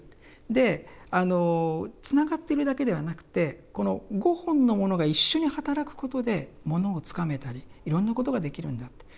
でつながってるだけではなくてこの５本のものが一緒に働くことで物をつかめたりいろんなことができるんだって。